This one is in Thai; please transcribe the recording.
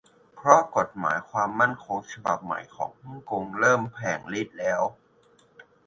เพราะกฏหมายความมั่นคงฉบับใหม่ของฮ่องกง เริ่มแผลงฤทธิ์แล้ว